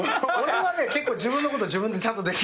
結構自分のことを自分でちゃんとできる方。